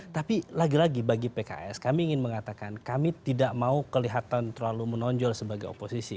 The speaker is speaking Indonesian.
tapi lagi lagi bagi pks kami ingin mengatakan kami tidak mau kelihatan terlalu menonjol sebagai oposisi